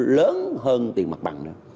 lớn hơn tiền mặt bằng